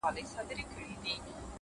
هره ستونزه یو درس لري,